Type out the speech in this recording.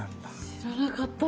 知らなかったです。